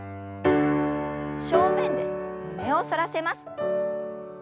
正面で胸を反らせます。